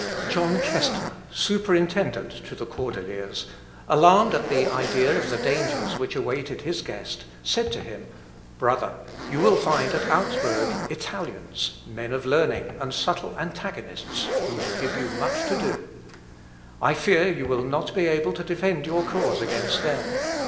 John Kestner, superintendant to the Cordeliers, alarmed at the idea of the dangers which awaited his guest, said to him, "Brother, you will find at Augsburg Italians, men of learning, and subtle antagonists, who will give you much to do. I fear you will not be able to defend your cause against them.